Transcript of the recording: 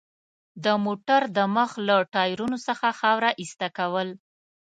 د موټر د مخ له ټایرونو څخه خاوره ایسته کول.